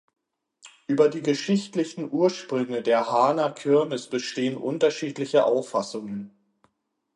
Über die geschichtlichen Ursprünge der Haaner Kirmes bestehen unterschiedliche Auffassungen.